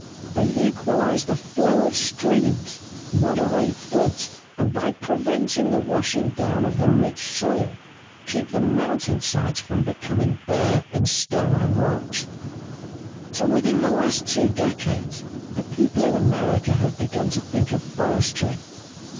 They equalize the flow of streams, moderate floods, and by preventing the washing down of the rich soil, keep the mountain sides from becoming bare and sterile rocks. So, within the last two decades, the people in America have begun to think of forestry.